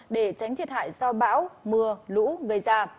để tránh thiệt hại do bão mưa lũ gây ra